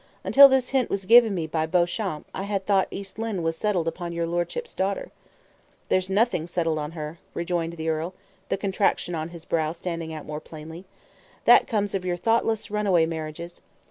"Until this hint was given me by Beauchamp, I had thought East Lynne was settled upon your lordship's daughter." "There's nothing settled on her," rejoined the earl, the contraction on his brow standing out more plainly. "That comes of your thoughtless runaway marriages.